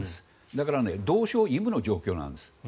だから同床異夢の状況なんです。